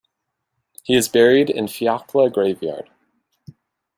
He is buried in Fiacla graveyard.